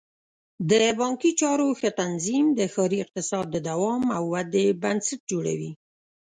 د بانکي چارو ښه تنظیم د ښاري اقتصاد د دوام او ودې بنسټ جوړوي.